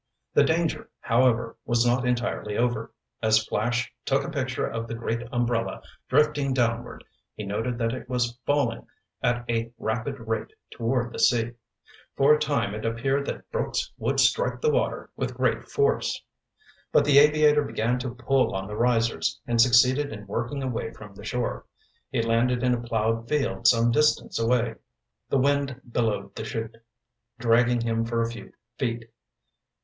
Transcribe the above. The danger, however, was not entirely over. As Flash took a picture of the great umbrella drifting downward, he noted that it was falling at a rapid rate toward the sea. For a time it appeared that Brooks would strike the water with great force. But the aviator began to pull on the risers, and succeeded in working away from the shore. He landed in a plowed field some distance away. The wind billowed the 'chute, dragging him for a few feet.